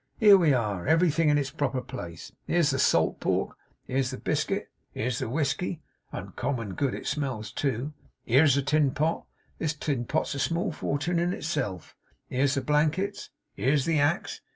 Here we are. Everything in its proper place. Here's the salt pork. Here's the biscuit. Here's the whiskey. Uncommon good it smells too. Here's the tin pot. This tin pot's a small fortun' in itself! Here's the blankets. Here's the axe.